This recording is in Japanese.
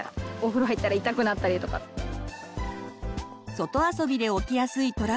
外遊びで起きやすいトラブル。